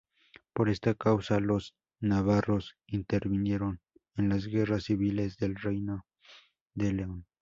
Por esta causa, los navarros intervinieron en las guerras civiles del reino de León.